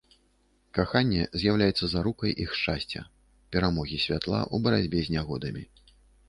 Каханне з'яўляецца зарукай іх шчасця, перамогі святла ў барацьбе з нягодамі.